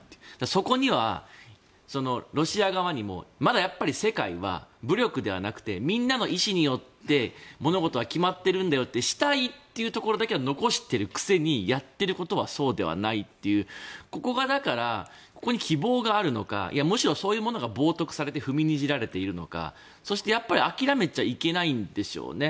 そこにはロシア側にもまだ世界は武力ではなくてみんなの意思によって物事は決まってるんだよというふうにしたいっていうところだけは残しているくせにやっていることはそうではないというここがだからここに希望があるのかむしろそういうものが冒とくされて踏みにじられているのかそしてやっぱり諦めちゃいけないんでしょうね。